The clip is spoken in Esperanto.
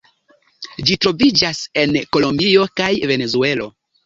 Ĝi troviĝas en Kolombio kaj Venezuelo.